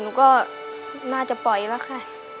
หนูก็น่าจะปล่อยแล้วค่ะ